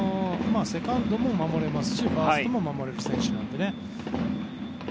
セカンドも守れますしファーストも守れる選手なのでね。